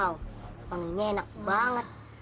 wow wanginya enak banget